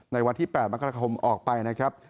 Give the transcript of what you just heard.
วันที่๘มกราคมออกไปนะครับ